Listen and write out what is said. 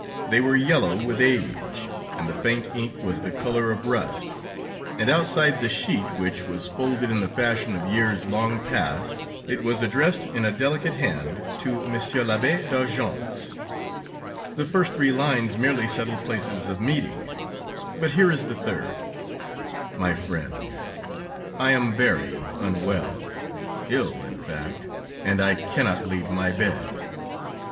They were yellow with age, and the faint ink was the color of rust, and outside the sheet, which was folded in the fashion of years long past, it was addressed in a delicate hand: To Monsieur l'Abbé d'Argence The first three lines merely settled places of meeting, but here is the third: "My Friend; I am very unwell, ill in fact, and I cannot leave my bed.